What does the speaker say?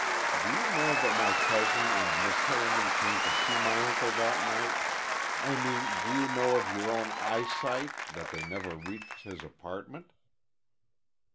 "Do you know that my cousin and Miss Harriman came to see my uncle that night? I mean do you know of your own eyesight that they ever reached his apartment?"